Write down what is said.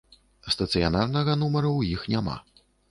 Стацыянарнага нумару у іх няма.